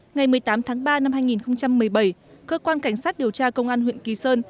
ngày một mươi tám tháng ba năm hai nghìn một mươi bảy cơ quan cảnh sát điều tra công an huyện kỳ sơn